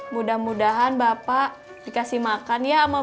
mudah mudahan bapak dikasih makan ya sama